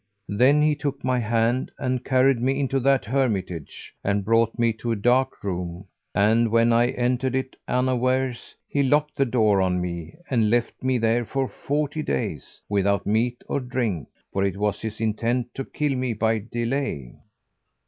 Then he took my hand and carried me into that hermitage, and brought me to a dark room; and, when I entered it unawares, he locked the door on me and left me there forty days, without meat or drink; for it was his intent to kill me by delay.